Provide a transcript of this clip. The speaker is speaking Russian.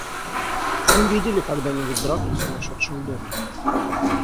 Вы видели когда-нибудь драку в сумасшедшем доме?